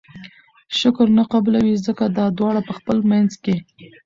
شکر نه قبلوي!! ځکه دا دواړه په خپل منځ کي